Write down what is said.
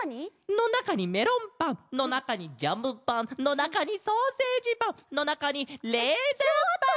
のなかにメロンパンのなかにジャムパンのなかにソーセージパンのなかにレーズンパン！